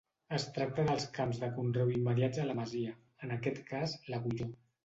Es tracta dels camps de conreu immediats a una masia, en aquest cas l'Agulló.